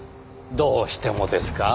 どうしてもですか？